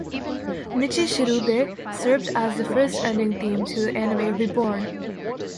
"Michishirube" served as the first ending theme to the anime "Reborn!